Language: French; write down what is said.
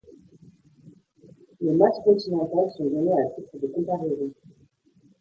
Les masses continentales sont données à titre de comparaison.